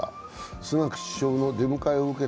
スナク首相の出迎えを受けた